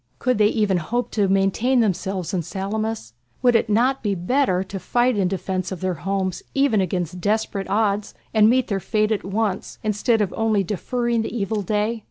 Could they even hope to maintain themselves in Salamis? Would it not be better to fight in defence of their homes even against desperate odds and meet their fate at once, instead of only deferring the evil day?